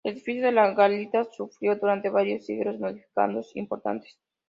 El edificio de la garita sufrió durante varios siglos modificaciones importantes.